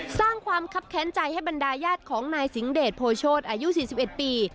สร้างความคับแค้นใจให้บรรดายาทของนายสิงห์เดชโพชศอายุสี่สิบเอ็ดปี